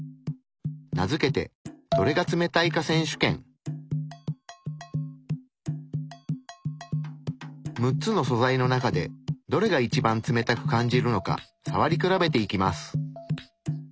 名付けて６つの素材の中でどれが一番冷たく感じるのかさわり比べていきます。